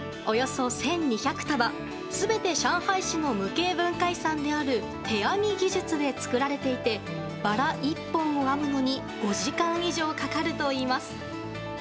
およそ１２００束、すべて上海市の無形文化遺産である手編み技術で作られていて、バラ１本を編むのに５時間以上かかるといいます。